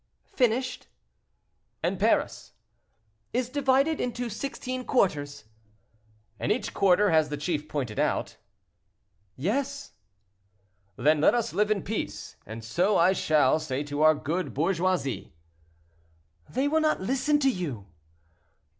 "Finished." "And Paris?" "Is divided into sixteen quarters." "And each quarter has the chief pointed out?" "Yes." "Then let us live in peace, and so I shall say to our good bourgeoisie." "They will not listen to you."